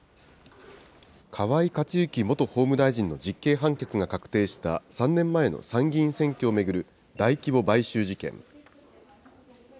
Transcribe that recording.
河井克行元法務大臣の実刑判決が確定した３年前の参議院選挙を巡る大規模買収事件。